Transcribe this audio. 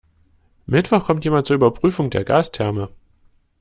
Mittwoch kommt jemand zur Überprüfung der Gastherme.